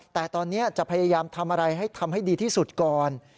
แต่ตอนนี้จะพยายามทำอะไรให้ทำให้ดีที่สุดก่อน